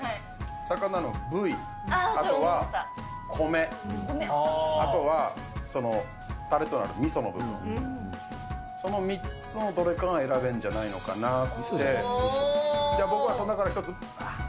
魚の部位、あとは米、あとは、たれとなるみその部分、その３つのどれかが選べるんじゃないのかなって。